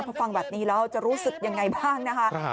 พอฟังแบบนี้แล้วจะรู้สึกยังไงบ้างนะคะ